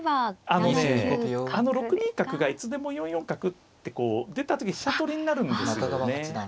あのねあの６二角がいつでも４四角ってこう出た時飛車取りになるんですよね。